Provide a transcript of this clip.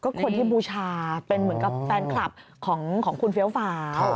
คนที่บูชาเป็นเหมือนกับแฟนคลับของคุณเฟี้ยวฟ้า